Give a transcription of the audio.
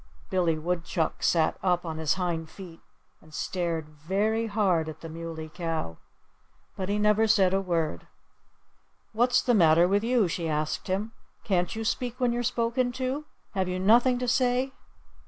Billy Woodchuck sat up on his hind feet and stared very hard at the Muley Cow. But he said never a word. "What's the matter with you?" she asked him. "Can't you speak when you're spoken to? Have you nothing to say?"